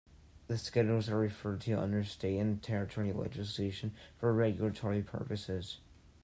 The Schedules are referred to under State and Territory legislation for regulatory purposes.